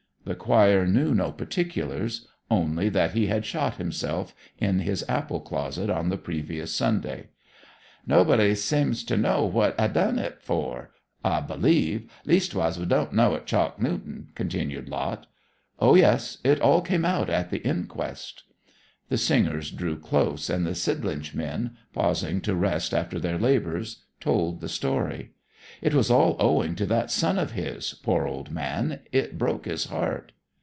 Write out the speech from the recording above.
The choir knew no particulars only that he had shot himself in his apple closet on the previous Sunday. 'Nobody seem'th to know what 'a did it for, 'a b'lieve? Leastwise, we don't know at Chalk Newton,' continued Lot. 'O yes. It all came out at the inquest.' The singers drew close, and the Sidlinch men, pausing to rest after their labours, told the story. 'It was all owing to that son of his, poor old man. It broke his heart.'